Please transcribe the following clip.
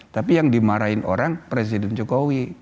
tapi yang dimarahin orang presiden jokowi